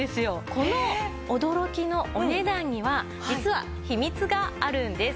この驚きのお値段には実は秘密があるんです。